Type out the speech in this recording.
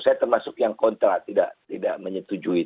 saya termasuk yang kontra tidak menyetuju itu